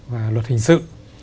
và luật hình sự